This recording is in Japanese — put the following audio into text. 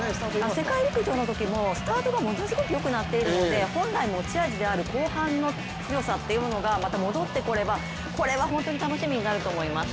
世界陸上のときもスタートがものすごくよくなっているので本来の持ち味である後半の強さというものがまた戻ってこれば、これは本当に楽しみになると思います。